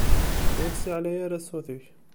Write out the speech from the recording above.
Ur ssiɛlay ara ssut-ik!